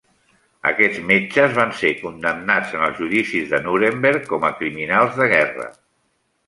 Aquests metges van ser condemnats en els Judicis de Nuremberg com a criminals de guerra.